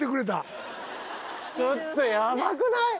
ちょっとやばくない？